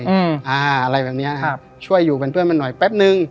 อ่าอะไรแบบเนี้ยครับช่วยอยู่เป็นเพื่อนมันหน่อยแป๊บนึง